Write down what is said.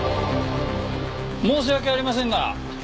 申し訳ありませんが。